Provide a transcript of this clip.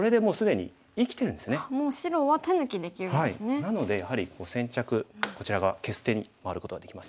なのでやはり先着こちら側消す手に回ることができますね。